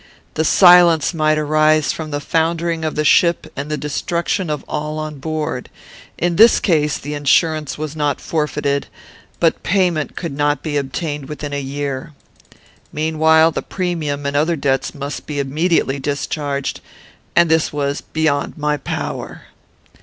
The silence might arise from the foundering of the ship and the destruction of all on board. In this case, the insurance was not forfeited, but payment could not be obtained within a year. Meanwhile, the premium and other debts must be immediately discharged, and this was beyond my power.